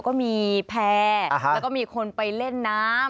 ก็มีแพร่แล้วก็มีคนไปเล่นน้ำ